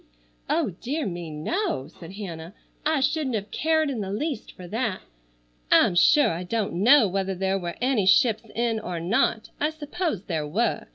"Oh, dear me. No!" said Hannah. "I shouldn't have cared in the least for that. I'm sure I don't know whether there were any ships in or not. I suppose there were.